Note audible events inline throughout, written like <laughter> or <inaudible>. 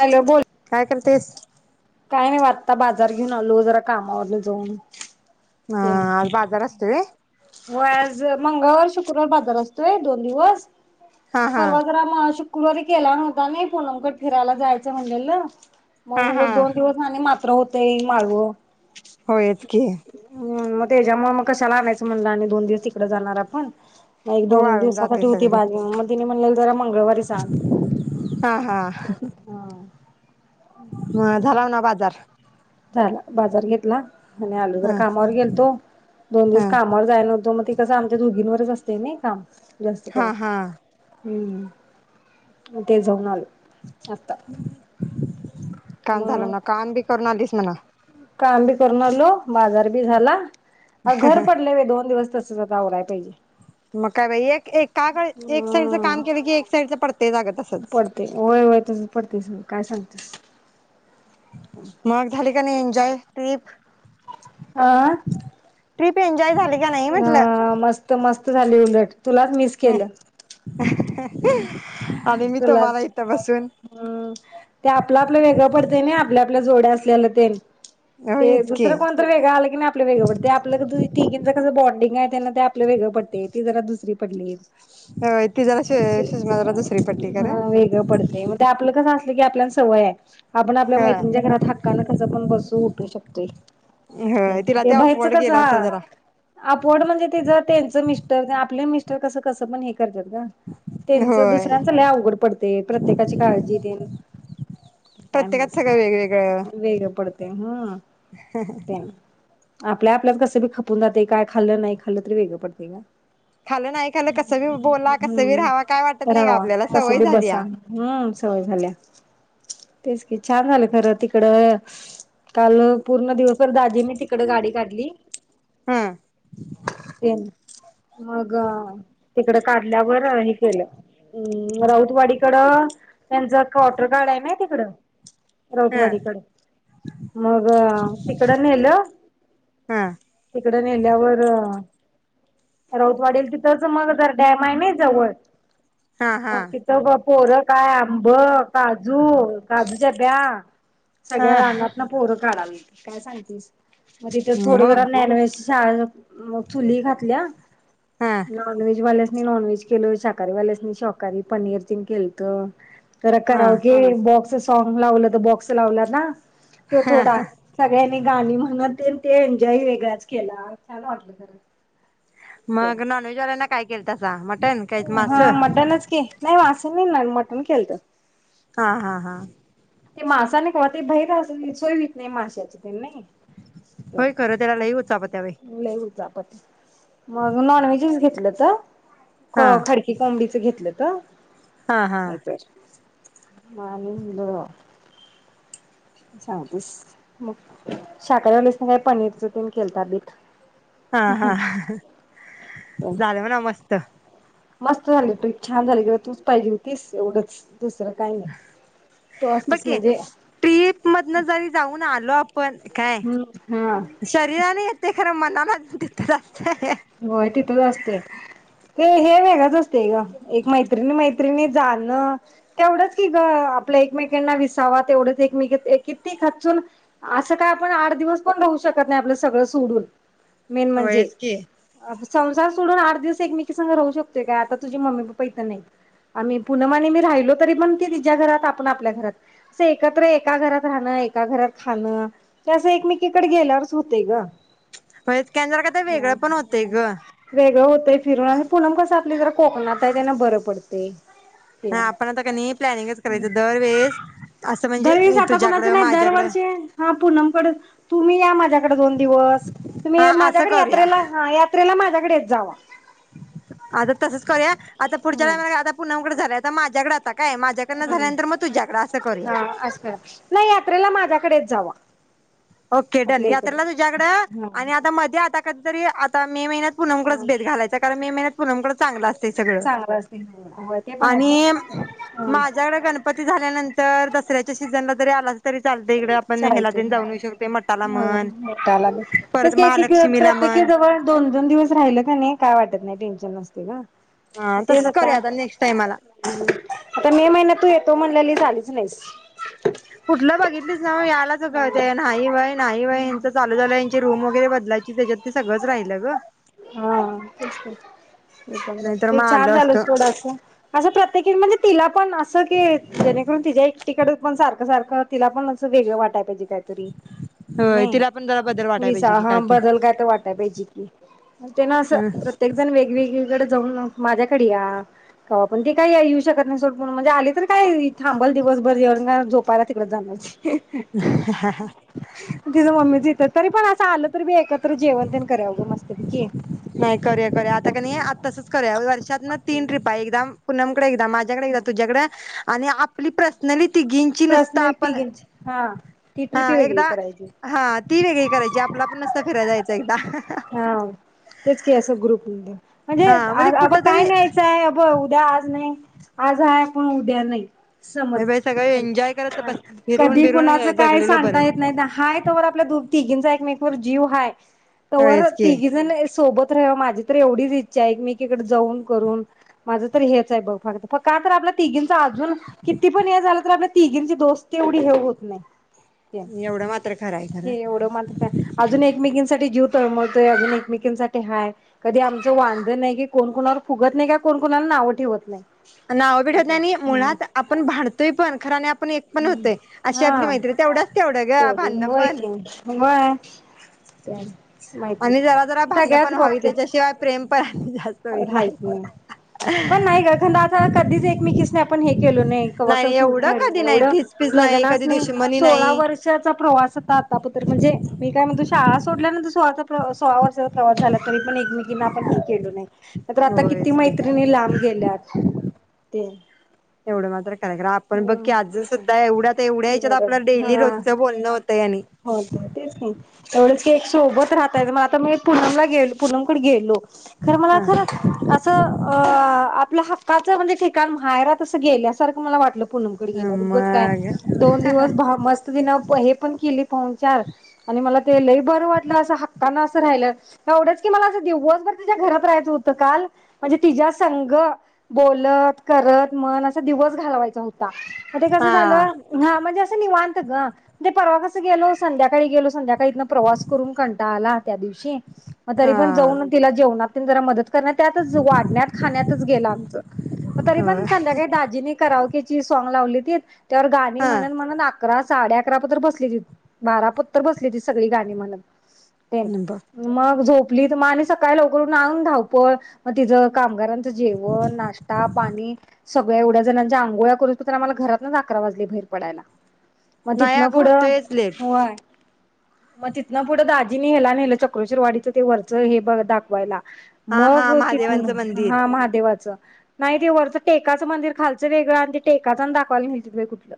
Hello बोल तेच काय नाही बघ आता बाजार घेऊन आलो जरा कामावरन जाऊन. अ ते आज बाजार असतोय व्हय व आज मंगळवर्ष शुक्रवार बाजार असतोय दोन दिवस. हा हा परवा जरा म शु शुक्रवारी केला नव्हता नी पुनमकड फिरायला जायचं म्हणलेलो. हा हा आणि मात्र होतेय माळव. होयचकी तेच्यामुळ मग कशाला आणायचं म्हणलं. आणि दोन दिवस तिकड जाणार आपण. एक दोन वाळून जाते दिवसासाठी होती सगळं भाजी म्हणून म्हटलं. तेनी म्हनल जरा मंगळवारी सांग हा. ह झाला म्हणा बाजार. झाला बाजार घेतला. हो मी आलोय जरा ह कामावर गेलतो दोन ह दिवस कामावर जाय नव्हतो मग ती कसं आमच्या दुघींवरच असतय. ते नाहीका जास्त करू हा हा हम्म हम्म ते जाऊन आल आता काम झालं मग ना काम बी करून आणि हेस मना काम बी करून अलो बाजार बी झाला घर पडलय बाई दोन दिवस तसंच आता आवराय पाहिजे मग काय बाई एक का एक साईडच हम्म काम केलं की एक साईडच पड पडते होय होय. तसंच पडतेस काय सांगतेस मग झाली का नाही एन्जॉय तईब हां? ट्रिपेन आ मस्त मस स्त झाली उलट तुलाच मिस केलं. आणि मी तुला तुम्हाला इथं बसून अम ते आपलं आपलं वेगंळ पडतं ना आपल्या आपल्या जोड्या असल्याल तेन ते होयच की दुसर कोणतर वेगळं आल किनी आपलं वेगळं पडतय आपलं <unintelligible> तीगीनच कसं बॉ डिंग आहे त्याला ते आपल वेगळ पडतय, ती जरा दुसरी पडलीत. होय ती जरा सुषमा जरा दुसरी पडली असं खरं हा वेगळ पडतय म ते आपल कस असल की आपल्यान सवय आहे. आपण आपल्या मैत्रिणीच्या होय घरात हक्कानं कसं पण बसू उठू शकतोय, होय मग तिला ते बाहेरचं अफवर्ड कसं गेला असेल हा, जरा अकवर्ड म्हणजे तेज त्यांचं मिस तर ते आपले मिस्टर कसं कसं पण हे करतात ग त्यांच होय दुसऱ्यांच लयी अवघड पडतय प्रत्येकाची काळजी ते प्रत्येकात सगळं वेगवेगळं वेगळं पडतय ह त्यां आपल्या आपल्यात कसं बी खपून जात काय खाल्लं नाही खाल्लं तरी वेगंळ पडतय ग खालं नाही खालं कसं बी बोला कसं बी राहावा काय वाटत नाही का रावा आपल्याला कस सवय बी झाली बसा या हम्म सवय झाल्या तेच की छान झालं खरं तिकड काल पूर्ण दिवसभर दाजी नी तिकड गाडी काढली. ह ते मग तिकडे काढल्यावर केलं राऊतवाडीकडं त्यांचं कॉर्टर गार्ड आहे ना तिकड ह राऊतवाडीकड मग तिकड नेल ह तिकड नेल्यावर राऊतवाडीला तिथंच मग तर डॅम आहे ना जवळ हा हा मग तिथ बघ पोर काय आंब काजू काजूच्या ब्या सगळ्या ह रानात ना पोरं काढावी काय सांगतेस मग तिथे थोड मग जरा नॉनव्हेज छान मग चुली खातल्या ह नॉनव्हेज वाल्या स मी नॉनव्हेज केल शाक कारी वाल्यासनी शाकारी पनीर तेन केलत. तर ह कराओ गे बॉक्सच सॉग लावलं तर बॉक्स लावनार ना ते थोडा सगळ्यांन गाणी म्हणत ते एन्जॉय वेगळाच केला छान वाटलं खरं. ते मग नॉनव्हेजवाल्यांना काय केलं तासा मटन काय हा मास मटनच की नाही, मास नाही मटण हालत. हा हा हा ते मासानि कवा ते बैर सोयत नाही माशाची ते नाही होय खरं त्याला लई उचापत्या बाई <unintelligible> पत मग नॉन व्हेजच घेतलं. हा तर खडकी कोबडीचं घातले. का? हा हा नाही तर <unintelligible> सांगतेस, मग शाहकारी वाल्यासनी ना का पनीरच तेन केलता बेत. हा हा, झालं म्हणा मस्त. मस्त झाली ट्रिप छान झाली किंवा तूच पाहिजे होतीस एवढंच. दुसरं काही नाही. बघ असतीस की म्हणजे ट्रीप मधन जरी जाऊन आलो, आपण काय हम्म हा शरीराने येतेय खर मनान अजून तितच असतंय. होय तिथंच असते ते हे वेगळंच असते ग एक मैत्रिणी मैत्रिणी जाणं तेवढंच की ग आपल्या एकमेकांना विसावा तेवढंच एकमेक किती खचून असं काय आपण आठ दिवस पण राहऊ शकत नाही आपलं सगळं सोडून मेन म्हणजे होयच की, संसार सोडून आठ दिवस एकमेकीसघ राहू शकतोय काय? आता तुझी मम्मी पप्पा इथं नाहीत आम्ही पुनम आणि मी राहिलो तरी पण ती तिच्या घरात आपण आपल्या घरात असं एकत्र एका घरात राहणं एका घरात खाणं ते असं एकमेकीकडे गेल्यावरच होतय ग. होयच की आणि जरा काय तर वेगळं पण होतय. <inaudible> वेगळं होतय फिरून आणि पूनम कसं आपली जरा कोकणात आहे तेन बरं पडतंय. आपण आता कणी प्लॅनिंगच करायचं दरवेळेस असं दरवेळीस, म्हणजे आता कुणाच तुझ्याकडं नाही माझ्याकडं दरवर्षी हा पूनम कड तुम्ही या माझ्याकडे दोन दिवस तुम्ही हा असं माझ्याकडे करूया यात्रेला यात्रेला माझ्याकडे येत जावा. आता तसंच करूया. आता पुढच्या हम्म टाइमाला पुनमकड झाल्यात. माझ्याकड आता, काय माझ्याकडनं हम्म, झाल्यानंतर मग तुझ्याकडं असं करूया. हा अस करा नाही यात्रेला माझ्याकडेच येत जावा. ओके डन आपल्या इकडे यात्रेला तुझ्याकडे हा आणि आता मध्ये एकतरी आता मे महिन्यात पूनम कडच हा बेत घालायच कारण मे महिन्यात पूनम कडच चांगला असतय सगळ चांगलं असते होय ते पण आहे आणि सोड हा माझ्याकड गणपती झाल्यानंतर तर दसऱ्याच्या सीझनला जरी आलास तरी चाल दे इकडं आपण हेला तेन चालते. जाऊ येऊ शक हा परत तेच की एकेकी महालक्ष्मीला प्रत्येकी म्हण जवळ दोन-दोन दिवस राहिल कणी काय वाटत नाही. टेन्शन नसतय गं. म हा तेल तसंच अता. करूया आता नेक्स्ट टाइमाला आता मे महिन्यात तू येतो म्हणल्यालीस. तु आलीच नाहीस. कुठलं बघितलीस नव यालाच कुठलं ग ते नाही होय नाही होय ह्यांचं चालू झालंय ह्यांची रूम वगैरे बदलायची त्याच्यात ते सगळंच राहिलं ग हा नाहीतर ते मग आलं छान झालं असतं थोडस असं प्रत्येकीन म्हणजे तिला पण असं कि जेणे तिच्या एकटीकड पण सारखं सारखं तिला पण अस वेगळं वाटाय पाहिजे. काय तरी होय नाही तिला पण जरा बदल वाटाय विसा पाहिजे की हा काय ते बदल काय तर वाटाय पाहिजे की. म तेना असं ह प्रत्येक जण वेगवेग सगळीकडं जाऊन म माझ्याकडे या. कवा पण ती काही य येऊ शकत नाही सोड पण आली तर काय थांबल दिवसभर एवढंच काय झोपायला तिकडे जाणर ती. <inaudible> तो तरी पण असं आलं तरी बी एकत्र तर जेवण तेण कऱ्यावं गं मस्त. ऐकी नाही करूया करूया आता कणी आत्ता तसंच करूया वर्षात म तीन ट्रिपा एकदम पुन्हा म परत एकदा माझ्याकडे एकदा तुझ्याकड आणि आ प्रि पर्सनली तिघींची नुसतं पर्सनल आपण तिघींची हा ती हा ट्रिपी वेगळी एकदा करायची हा ती वेगळी करायची आपल आपूण नुसत फिरायला जायचं. ते एकदा हा तेच की असं ग्रुप मध्ये म्हणजे हा अग कुठ अबक काय तरी न्यायचं आहे अब उद्या आज नाही आज आहे पण उद्या नाही. समज हे बाई सगळं एन्जॉय करत बस फिरून कधी बिरून कुणाच काय जगलेलं बरं सांगता येत नाही त्या हाय तवर आपल्या दो-तिघींचा एकमेकी पर जीव हाय. तोवर होयच की तिघीजण सोबत तर माझी तर एवढीच इच्छा आहे की मी एकीकड जाऊन करून माझं तर हेच आहे बघ, फक्त का तर आपल्या तिघींच अजून किती पण हे झालं तर आपल्या तिघींची दोस्त एवढी हे होत नाही. ते, एवढं मात्र खरं आहे हे खरं एवढं मात्र काय, अजून एकमेकीसाठी जीव तळमळतय अजून एकमेकांसाठी हाय कधी आमचे वाद नाही कि कोण कोणावर फुगत नाही का कोण कोणाला नावं ठेवत नाही. नावं बी ठेवत असं नाही आणि हम्म मुळात आपण भांडतोय पण खरं आणि आपण एक पण होतोय, हम्म अशी आपली हा मैत्री तेवढ्याचं तेवढ ग भाडणं पण त्यान आणि जरा जरा माहितीच भांडणं सगळ्याच पण व्हावी बाबतीत त्याच्याशिवाय प्रेम पण आणि जास्त होईत राहत नाही, पण नाही ग कारण आता ना कधीच एकमेकीसनी आपण हे केलो नाही, कवा का सोडून एवढं राहिलो कधी नाही एवढ ठीचपीच लग्नाच कधी नाही दुश्मनी सोळा नाही वर्षाचा प्रवास होता, आता पातूर म्हणजे मी काय म्हणतो शाळा सोडल्या नंत तो आता प्र सोळा वर्षचा प्रवास झाला तरी पण एकमेकीना आपण हे केलो नाही. नाही तर आता किती होयच की मैत्रिणी लांब गेल्यात ते एवढं मात्र खरय, कारण आपण बघ की हम्म अजुन सुद्धा एवढ्यात हा होतंय आणि होतंय तेच की तेवढंच एक सोबत राहतय मग आता मी पुनमला गेल पूनमकडे गेलो. खर मला खर हा असं अ आ आपल हक्काचं म्हणजे ठिकाण माहेरात असं गेल्यासारखं मला वाटलं प पुनमकडं गेल्यावर उगच काय. मग दोन दिवस भाव मस्त बिना हे पण की केली पाहुणचार आणि मला ते लयी बरं वाटलं अस हक्कान असं राहिलं, एवढंच कि मला अस दिवसभर तिच्या घरात राहायचं होत काल म्हणजे तिच्यासंग बोलत करत म्हण असा दिवस घालवायचा होता. मग ते कसं हा झालं. हा म्हणजे असं निवांत ग ते परवा कसं गेलो संध्याकाळी गेलो संध्याकाळ इथन प्रवास करून कंटाळ आला त्या दिवशी शी मग तरी पण हा जाऊन तिला जेवणात तेन जरा मदत कारण त्यातच वाढण्यात खाण्यात गेला आमचं तरीपण होय संध्याकाळी दाजींनी कराव की कि ची साँ लावलीतीत त्यावर मी हा म्हणल म्हणून अकरा साडे अकरा पोतर बसली त बारा पोतर बसली ती सगळी गाणी म्हणत ते मग झोप लिहित मग आणि सकाळी लवकरून उठून अजून धावपळ तिच कामागारान च जेवण नाश्ता पाणी. सगळ्या एवढ्याजणांच्या अंघोळ्या करोस पातूर आम्हाला घरातच अकरा वाजले बाहे पडायला. मग नाही तिथन अगं पुढं होतयच लेट होय. मग तिथन पुढं दाजीनी हेला नेलं चक्रोश्वर वाडीचं ते वरचं हे ब दाखवायला. हा हा मग तिथनं, महादेवांचं मंदिर हां महादेवाचं. नाही ते वरचं टेकाचं मंदिर खालचं वेगळं आण् ते टेकाचं अन् दाखवायला न्हेलतीत बाई कुठलं.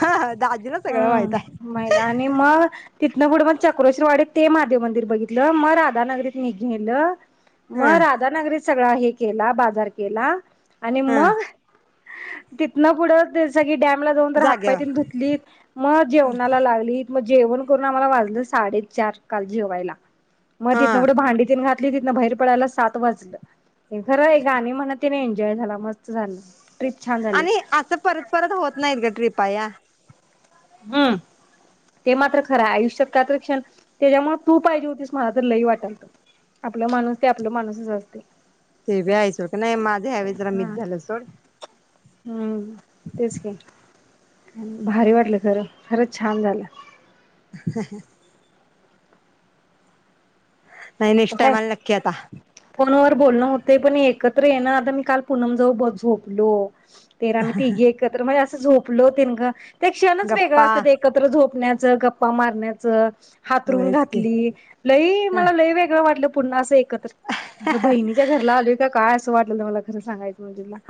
हा दाजीला सगळं हम्, माहित आहे मैदा आणि मग तिथनं पुढं मग चक्रोश्रीवाडीत ते महादेव मंदिर बघितलं म राधानगरीत नी घेलं म हा राधानगरीत सगळा हे केला, बाजार केला. आणि हा मग तिथनं पुढं ते सगळी डॅमला जाऊ तर हातपाय तेन जाग्यावर धुतलीत म जेवणाला लागलीत. म जेवण करून आम्हाला वाजलं साडेचार काल जेवायला. म हा तिथंन पुढ भांडी तेन घात मी तिथनं बाहेर पडायला सात वाजलं. अं खरं आहे गाणी म्हणतिने जॉय झाला मस्त झालं. ट्रिप छान झाली आणि, असं परत-परत होत नाहीत गं ट्रिप. पाया हम्म, ते मात्र खरंय आयुष्यात काय तर क्षण, तेज्यामुळं तू पाहिजे होतीस मला तर लई वाटालत. आपलं माणूस ते आपल माणूसच असतंय. ते बी आय सोड, का नाही माझं ह्यावेळेस जरा हा मिस झालं सोड. हम्म तेच की. भारी वाटलं खरं, खरंच छान झालं. <unintelligible> नाही नेक्स्ट टाईमाल नक्की आता. बोलण होतय पण एकत्र येनं आता मी काल पूनम जवळ ब झोपलो. तेरा आमी तीघी एकत्र म्हजे अस तू झोपलो तेन गं. ते क्षणच वेगळं गप्पा असत्यात एकत्र झोपण्यात. चं गप्पा मारण्याचं. हातरून होयच की घातली, लई ह मला लई वेग वाटलं पुन्हा असं एक क कश बहिणीच्या घरला आलोय काय स वाटल्यालं मला खरं सांगाय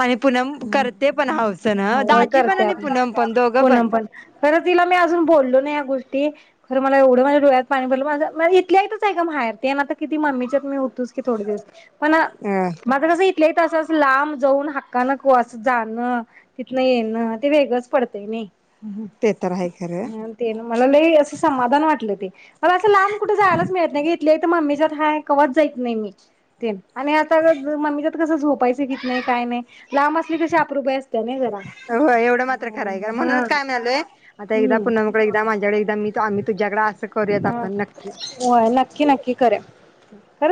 आणि पूनम करते पण हौसन <unintelligible> हां वय दाजी पण करत्या आणि आपून पूनम पण दोघं पूनम पण, खरं तिला मी अजून बोललो नाही या गोष् ती, खरं मला एवढं माया डोळ्यात पाणी भरलं माझ्या मा इथल्या इथंच आहे गं माहेर ते नात किती मम्मीच्यात मी होतोच की थोडं दिवस. पण अ <unintelligible> ते तसंच लांब जाऊन हक्का नको असं जाणं, तिथनं येणं, ते वेगळंच पडतंय नाही. <inaudible> ते तर आहे खरं ते ना मला लई असं समाधान वाटलं, ते मला असं लांब कुठं जायलाच मिळत नाही. इथल्या इथ मम्मीच्यात, कवात जायत नाही मी. ते आणि आता कस, मम्मीच्यात कस झोपायच <unintelligible> नाही काय नाही, लांब असली की कशी अप्रूपाबाई होय एवढं मात्र खरं हाय ग हा म्हणूनच काय म्हणालोय, आता एकदा हम्म. पूनम कड एकदा, माझ्याकडे एकदा मी त आम्ही तुझ्याकडं असं. करूयात हां आपण नक्की होय. नक्क की नक्की करूया.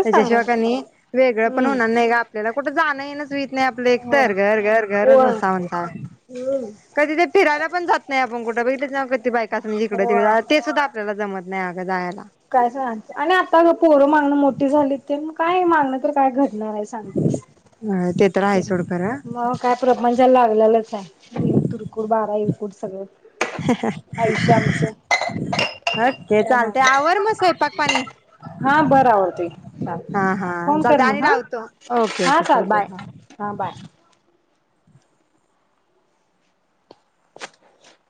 त्याच्याशिवाय कणी वेगळं पण हम्म होणार नाही ग आपल्याला कुठं जाणं येणं च नाहीच होत नाही आपलं एकतर, घर घर घरच होय नसत म्हणताव. होय कधी तर फिरायला पण जात नाही आपण कुठ बगीतलीस नवं की बायकासनी जीकड होय तिकड ते सुद्धा आपल्याला मला जमत नाही आग जायाला. काय सांग आणि आता ग पोरं मागणं मोठी झाली तेन काय मागणं तर काय घट नाहीे सांगतीस. होय ते तर आहे सोड खरं <inaudible> मग काय <unintelligible> <unintelligible> लागल्यालचं तीन तुरकुड बारा इरकूट सगळं आयुष्य आमच <inaudible> ओके चालतंय आवर मग स्वयंपाक पाणी. हा बरं आवरते, चालतंय हा हा फोन कर चालतंय आणि मग हां लावतो ओके हां ओके चल चालतय बाय. हां हां बाय. <unintelligible>